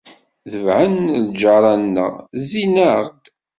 Tebɛen-d lǧeṛṛa-nneɣ, zzin-aɣ-d.